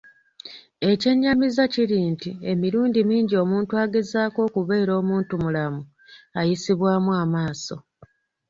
Ekyennyamiza kiri nti emirundi mingi omuntu agezaako okubeera omuntumulamu, ayisibwamu amaaso.